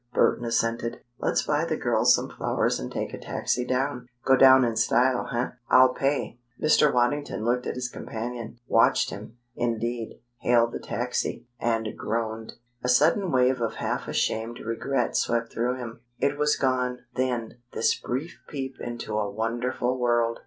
Burton assented. "Let's buy the girls some flowers and take a taxi down. Go down in style, eh? I'll pay." Mr. Waddington looked at his companion watched him, indeed, hail the taxi and groaned. A sudden wave of half ashamed regret swept through him. It was gone, then, this brief peep into a wonderful world!